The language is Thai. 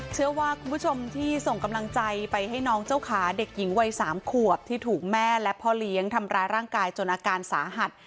เชื่อว่าคุณผู้ชมที่ส่งกำลังใจไปให้น้องเจ้าขาเด็กหญิงวัย๓ขวบที่ถูกแม่และพ่อเลี้ยงทำร้ายร่างกายจนอาการสาหัส